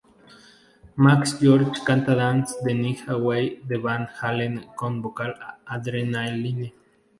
Max George canta Dance the Night Away de Van Halen con Vocal Adrenaline.